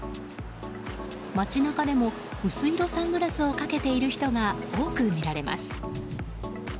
街中でも、薄色サングラスをかけている人が多く見られます。